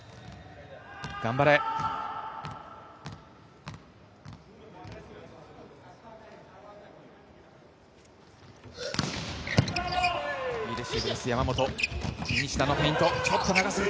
頑張れ。